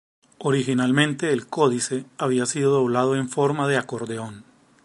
Originalmente, el códice había sido doblado en forma de acordeón.